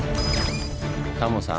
タモさん